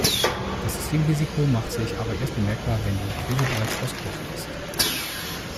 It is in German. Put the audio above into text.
Das Systemrisiko macht sich aber erst bemerkbar, wenn die Krise bereits ausgebrochen ist.